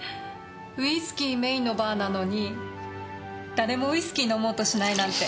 ウイスキーメーンのバーなのに誰もウイスキー飲もうとしないなんて。